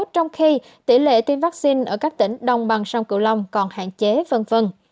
trong khi tỷ lệ tiêm vaccine ở các tỉnh đông bằng sông cựu long còn hạn chế v v